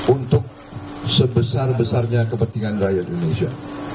untuk sebesar besarnya kepentingan rakyat indonesia